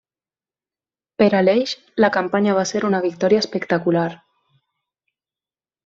Per a l'Eix, la campanya va ser una victòria espectacular.